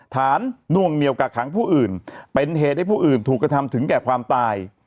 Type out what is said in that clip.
น่วงเหนียวกักขังผู้อื่นเป็นเหตุให้ผู้อื่นถูกกระทำถึงแก่ความตาย